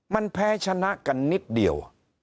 มันแพ้ชนะกันนิดเดียว